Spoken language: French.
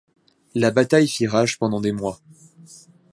La bataille fit rage pendant des mois.